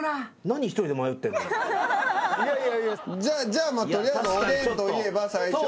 じゃあまあ取りあえずおでんといえば最初。